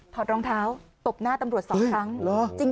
อดรองเท้าตบหน้าตำรวจสองครั้ง